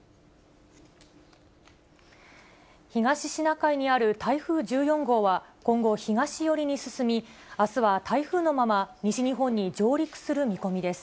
東シナ海にある台風１４号は、今後、東寄りに進み、あすは台風のまま、西日本に上陸する見込みです。